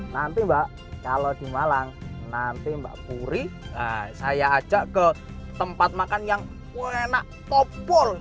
nanti mbak kalau di malang nanti mbak puri saya ajak ke tempat makan yang enak topul